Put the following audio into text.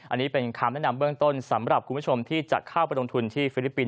อันนี้เป็นคำแนะนำเบื้องต้นสำหรับคุณผู้ชมที่จะเข้าไปลงทุนที่ฟิลิปปินส